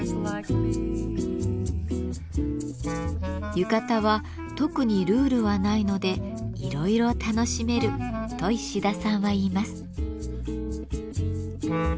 浴衣は特にルールはないのでいろいろ楽しめると石田さんは言います。